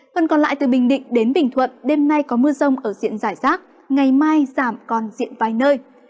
phần còn lại từ bình định đến bình thuận đêm nay có mưa rông ở diện giải rác ngày mai giảm còn diện vài nơi